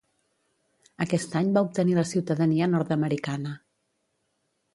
Aquest any va obtenir la ciutadania nord-americana.